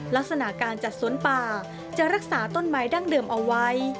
ลักษณะการจัดสวนป่าจะรักษาต้นไม้ดั้งเดิมเอาไว้